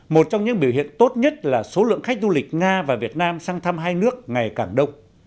một trong những biểu hiện tốt nhất là số lượng khách du lịch nga và việt nam sang thăm hai nước ngày càng đông